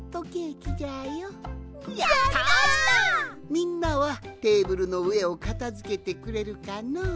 みんなはテーブルのうえをかたづけてくれるかのう？